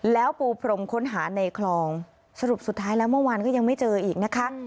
แล้วปูพรมค้นหาในคลองสรุปสุดท้ายแล้วเมื่อวานก็ยังไม่เจออีกนะคะ